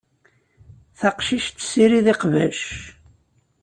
Taqcict tessirid iqbac.